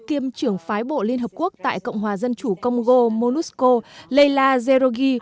kiêm trưởng phái bộ liên hợp quốc tại cộng hòa dân chủ công gô monusco leila zerogi